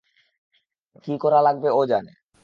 কী করা লাগবে ও জানে।